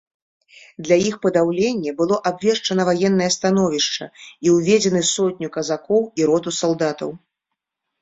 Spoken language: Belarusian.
Для іх падаўлення было абвешчана ваеннае становішча і ўведзены сотню казакоў і роту салдатаў.